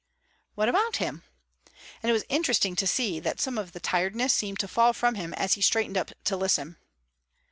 "What about him?" and it was interesting to see that some of the tiredness seemed to fall from him as he straightened up to listen.